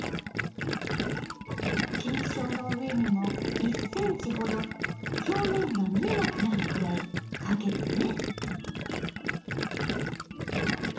菌床の上にも１ｃｍほど表面が見えなくなるくらいかけてね。